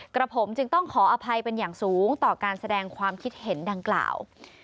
กระผมจึงต้องขออภัยเป็นอย่างสูงต่อการแสดงความคิดเห็นดังกล่าว